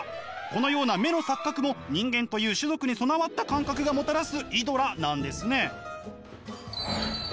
このような目の錯覚も人間という種族に備わった感覚がもたらすイドラなんですね。